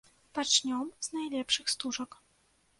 Пачнём з найлепшых стужак.